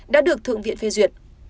đã được thượng viện phê duyệt